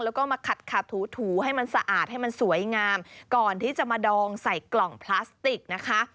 แล้วก็มาขัดขัดถูถูให้มันสะอาดให้มันสวยงามก่อนที่จะมาดองใส่กล่องพลาสติกนะคะ